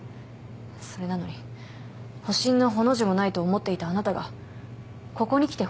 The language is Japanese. それなのに保身の「ほ」の字もないと思っていたあなたがここにきて保身ですか。